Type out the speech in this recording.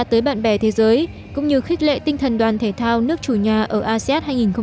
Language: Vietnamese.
tới bạn bè thế giới cũng như khích lệ tinh thần đoàn thể thao nước chủ nhà ở asia